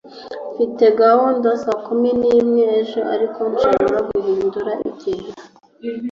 mfite gahunda saa kumi n'imwe ejo, ariko nshobora guhindura igihe